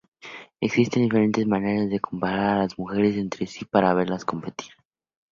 Existen diferentes maneras de comparar a las mujeres entre sí para verlas competir.